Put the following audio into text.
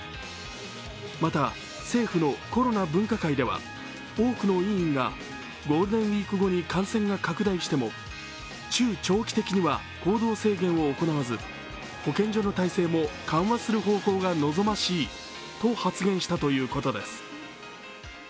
また政府のコロナ分科会では多くの委員がゴールデンウイーク後に感染が拡大しても中長期的には、行動制限を行わず、保健所の体制も緩和する方向が望ましいと発言したということです。